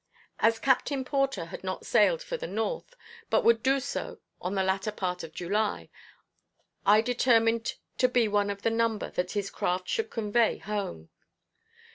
As Captain Porter had not sailed for the north, but would do so on the latter part of July, I determined to be one of the number that his craft should convey home.